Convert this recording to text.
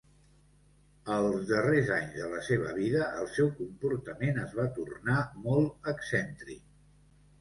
Els darrers anys de la seva vida el seu comportament es va tornar molt excèntric.